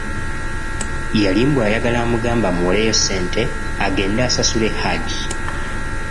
Yali mbu ayagala amugambe amuwoleyo ssente agnda asasule Hajji.